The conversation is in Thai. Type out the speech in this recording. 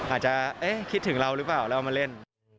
อาจจะคิดถึงเราหรือเปล่าแล้วเอามาเล่น